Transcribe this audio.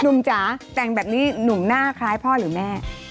จ๋าแต่งแบบนี้หนุ่มหน้าคล้ายพ่อหรือแม่